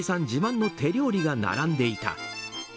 自慢の手料理が並んでいた。